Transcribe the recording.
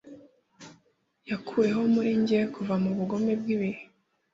Yakuweho muri njye kuva mubugome bw ibihe